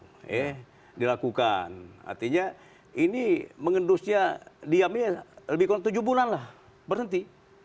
oke dilakukan artinya ini mengendusnya diamnya lebih kurang tujuh bulan lah berhenti